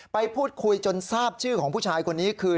ไปพูดคุยจนทราบชื่อของผู้ชายคนนี้คือ